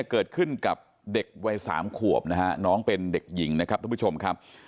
เกิดขึ้นกับเด็กวัยสามขวบนะฮะน้องเป็นเด็กหญิงนะครับทุกผู้ชมครับ